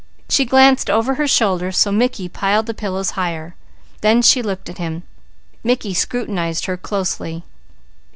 She glanced over her shoulder so Mickey piled the pillows higher. Then she looked at him. Mickey scrutinized her closely.